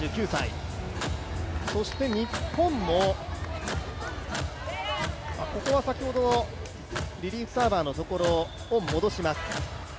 そして、日本も、ここは先ほどリリーフサーバーのところを戻します。